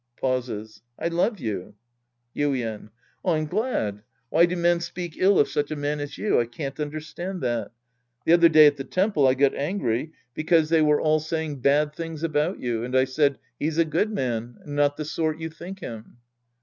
{Pauses.) I love you. Yuien. I'm glad. Why do men speak ill of such a man as you ? I can't understand that. The other day at the temple, I got angry because they were all 104 The Priest and His Disciples Act III saying bad tilings about you. And I said, " He's a good man and not the sort you think him."